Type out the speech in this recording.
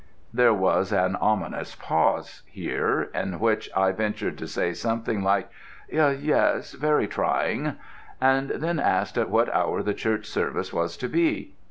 There was an ominous pause here, in which I ventured to say something like, "Yes, very trying," and then asked at what hour the church service was to be.